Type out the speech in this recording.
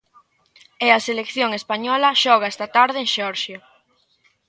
E a selección española xoga esta tarde en Xeorxia.